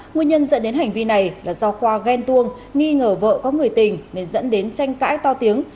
nguyên nhân dẫn đến hành vi này là do khoa ghen tuông nghi ngờ vợ có người tình nên dẫn đến tranh cãi to tiếng